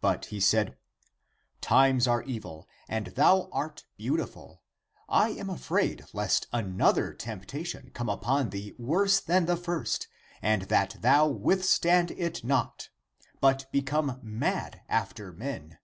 But he said, " Times are evil, and thou art beautiful. I am afraid lest another temptation come upon thee worse than the first, and that thou withstand it not, but become mad after men."